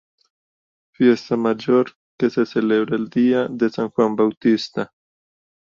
Fiesta mayor que se celebra el día de San Juan Bautista.